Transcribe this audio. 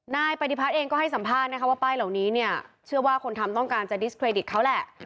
นายปฏิพัฒน์เองก็ให้สัมภาษณ์นะคะว่าป้ายเหล่านี้เนี่ยเชื่อว่าคนทำต้องการจะดิสเครดิตเขาแหละ